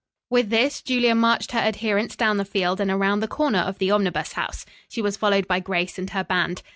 With this Julia marched her adherents down the field and around the corner of the Omnibus House. She was followed by Grace and her band.